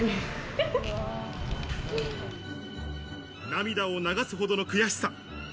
涙を流すほどの悔しさ。